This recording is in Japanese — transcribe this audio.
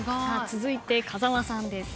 続いて風間さんです。